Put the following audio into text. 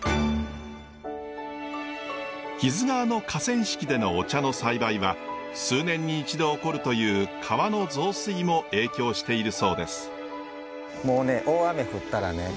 木津川の河川敷でのお茶の栽培は数年に一度起こるという川の増水も影響しているそうです。